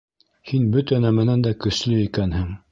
Һин бөтә нәмәнән дә көслө икәнһең.